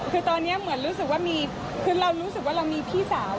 คือตอนนี้เหมือนรู้สึกว่ามีคือเรารู้สึกว่าเรามีพี่สาว